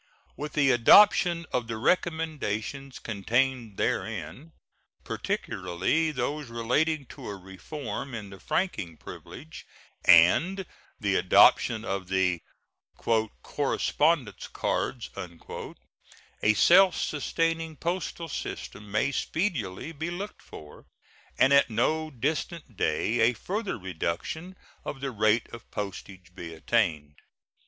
With the adoption of the recommendations contained therein, particularly those relating to a reform in the franking privilege and the adoption of the "correspondence cards," a self sustaining postal system may speedily be looked for, and at no distant day a further reduction of the rate of postage be attained.